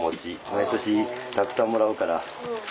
毎年たくさんもらうから。